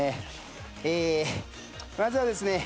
えまずはですね